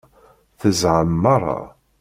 Tezham meṛṛa.